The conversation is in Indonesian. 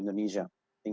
di saat ini